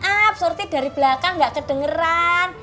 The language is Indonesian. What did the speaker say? maaf surti dari belakang gak kedengeran